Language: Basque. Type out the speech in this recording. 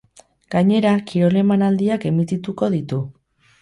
Gainera, kirol emanaldiak emitituko ditu.